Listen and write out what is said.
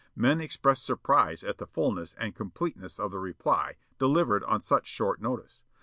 Men expressed surprise at the fulness and completeness of the reply, delivered on such short notice.